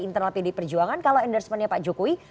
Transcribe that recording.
internal pd perjuangan kalau endorsement nya pak jokowi